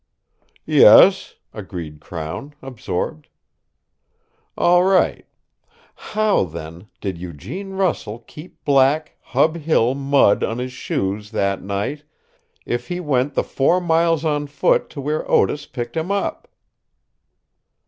"Yes," agreed Crown, absorbed. "All right. How, then, did Eugene Russell keep black, Hub Hill mud on his shoes that night if he went the four miles on foot to where Otis picked him up?"